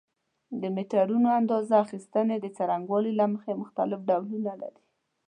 د میټرونو اندازه اخیستنې د څرنګوالي له مخې مختلف ډولونه لري.